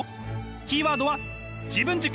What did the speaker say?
キーワードは自分軸！